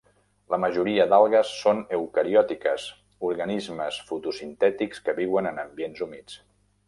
La majoria d'algues són eucariòtiques, organismes fotosintètics que viuen en ambients humits.